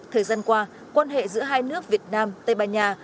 thời gian qua quan hệ giữa hai nước việt nam tây ban nha